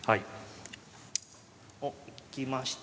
おっいきました。